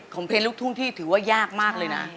เพลงลูกทุ่งที่ถือว่ายากมากเลยนะ